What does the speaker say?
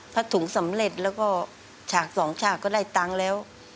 ถุงสำเร็จแล้วก็ฉากสองฉากก็ได้ตังค์แล้ว